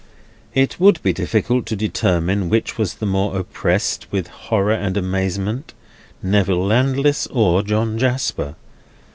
It would be difficult to determine which was the more oppressed with horror and amazement: Neville Landless, or John Jasper.